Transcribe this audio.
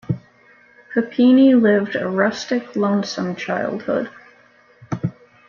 Papini lived a rustic, lonesome childhood.